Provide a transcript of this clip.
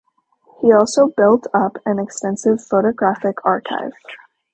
He also built up an extensive photographic archive.